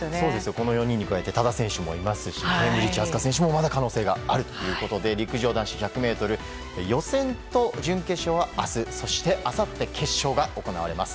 この４人に加えて多田選手もいますしまだ可能性があるということで陸上男子１００ｍ予選と準決勝は明日そしてあさって決勝が行われます。